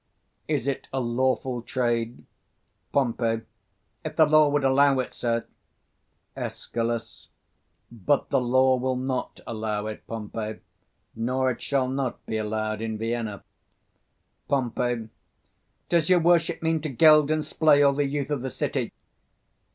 is it a lawful trade? Pom. If the law would allow it, sir. Escal. But the law will not allow it, Pompey; nor it shall not be allowed in Vienna. 215 Pom. Does your worship mean to geld and splay all the youth of the city?